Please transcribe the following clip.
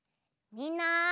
みんな！